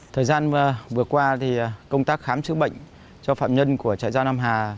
thời gian vừa qua công tác khám chữa bệnh cho phạm nhân của chạy giam nam hà